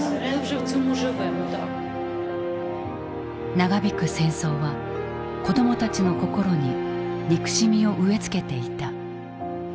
長引く戦争は子どもたちの心に憎しみを植え付けていた。